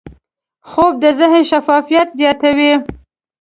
خوب د ذهن شفافیت زیاتوي